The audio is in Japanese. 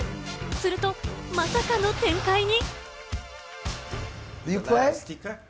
すると、まさかの展開に。